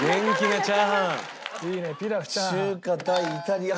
中華対イタリアン。